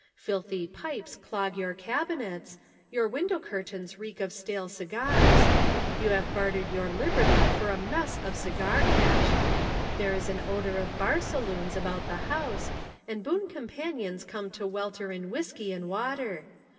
Filthy pipes clog your cabinets, your window curtains reek of stale cigars. You have bartered your liberty for a mess of cigar ash. There is an odor of bar saloons about the house and boon companions come to welter in whiskey and water.